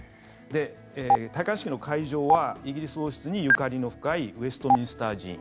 戴冠式の会場はイギリス王室にゆかりの深いウェストミンスター寺院。